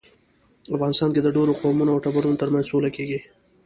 افغانستان کې د ډیرو قومونو او ټبرونو ترمنځ سوله کیږي